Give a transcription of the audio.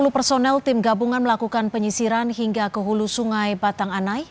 dua puluh personel tim gabungan melakukan penyisiran hingga ke hulu sungai batang anai